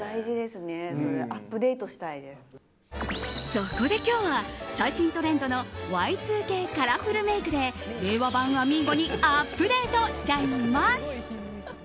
そこで今日は最新トレンドのＹ２Ｋカラフルメイクで令和版あみーゴにアップデートしちゃいます。